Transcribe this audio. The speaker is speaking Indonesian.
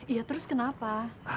iya terus kenapa